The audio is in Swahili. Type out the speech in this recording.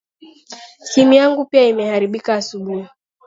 Simu yangu pia imeharibika asubuhi